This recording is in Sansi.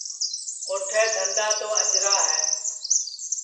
اوٹھے دھندا تو اجرا ہے